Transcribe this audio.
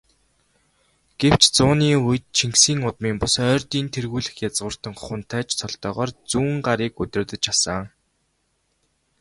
Гэвч, зууны үед Чингисийн удмын бус, Ойрдын тэргүүлэх язгууртан хунтайж цолтойгоор Зүүнгарыг удирдаж асан.